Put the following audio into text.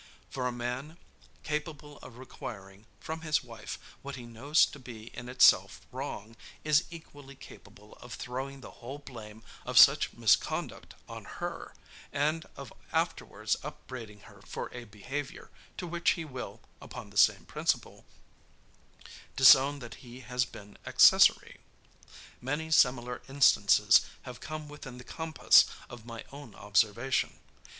For a man, capable of requiring, from his wife, what he knows to be in itself wrong, is equally capable of throwing the whole blame of such misconduct on her, and of afterwards upbraiding her for a behavior, to which he will, upon the same principle, disown that he has been accessary. Many similar instances have come within the compass of my own observation.